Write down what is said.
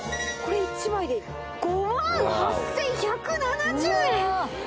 これ１枚で５万８，１７０円！